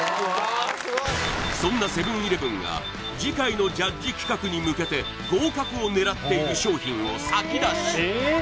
そんなセブン−イレブンが次回のジャッジ企画に向けて合格を狙っている商品を先出し